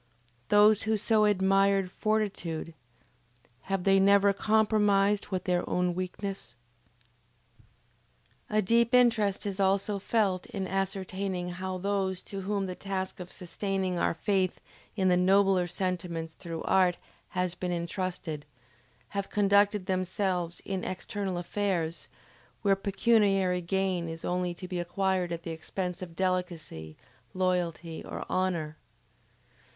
Those who so admired fortitude, have they never compromised with their own weakness? A deep interest is also felt in ascertaining how those to whom the task of sustaining our faith in the nobler sentiments through art has been intrusted, have conducted themselves in external affairs, where pecuniary gain is only to be acquired at the expense of delicacy, loyalty, or honor.